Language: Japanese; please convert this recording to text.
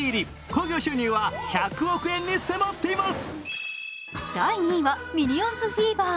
興行収入は１００億円に迫っています。